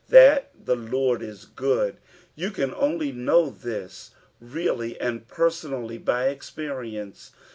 " That the Lard w good." You can only know this really ond personally by experience.